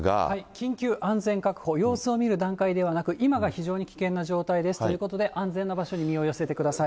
緊急安全確保、様子を見る段階ではなく、今が非常に危険な状態ですということで、安全な場所に身を寄せてください。